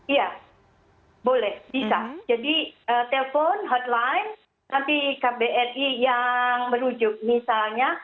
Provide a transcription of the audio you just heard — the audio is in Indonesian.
iya boleh bisa jadi telpon hotline nanti kbri yang merujuk misalnya